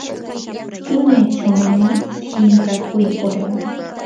tunaychawmi shinkakuykurqaa.